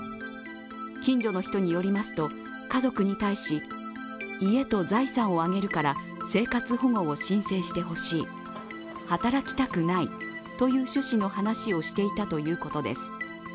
近所の人によりますと、家族に対し家と財産をあげるから生活保護を申請してほしい、働きたくないという趣旨の話をしていたということです。